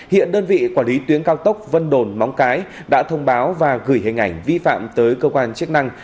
hiện đơn vị quản lý tuyến cao tốc vân đồn móng cái đã thông báo và gửi hình ảnh vi phạm tới cơ quan chức năng